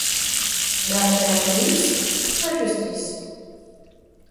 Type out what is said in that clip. Et après la police? la justice.